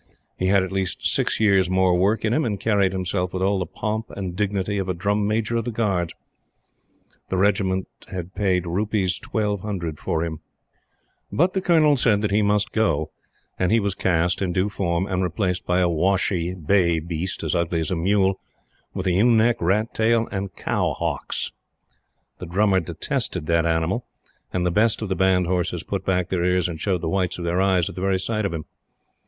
He had at least six years' more work in him, and carried himself with all the pomp and dignity of a Drum Major of the Guards. The Regiment had paid Rs. 1,200 for him. But the Colonel said that he must go, and he was cast in due form and replaced by a washy, bay beast as ugly as a mule, with a ewe neck, rat tail, and cow hocks. The Drummer detested that animal, and the best of the Band horses put back their ears and showed the whites of their eyes at the very sight of him.